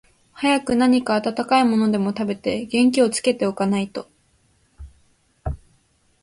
早く何か暖かいものでも食べて、元気をつけて置かないと、